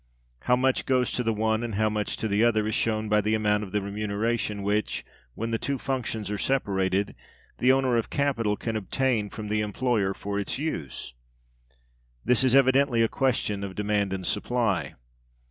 How much goes to the one and how much to the other is shown by the amount of the remuneration which, when the two functions are separated, the owner of capital can obtain from the employer for its use. This is evidently a question of demand and supply.